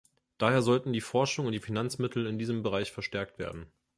Daher sollten die Forschung und die Finanzmittel in diesem Bereich verstärkt werden.